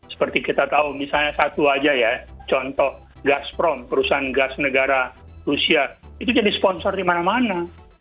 seperti kita tahu misalnya satu aja ya contoh gasprom perusahaan gas negara rusia itu jadi sponsor di mana mana